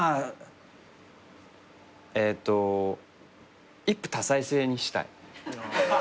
えっと一夫多妻制にしたい。